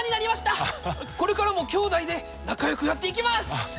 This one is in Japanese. これからも兄妹で仲良くやっていきます！